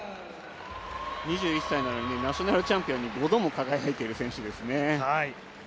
２１歳なのにナショナルチャンピオンに５度も輝いている選手ですね。